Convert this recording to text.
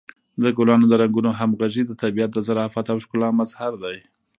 د ګلانو د رنګونو همغږي د طبیعت د ظرافت او ښکلا مظهر دی.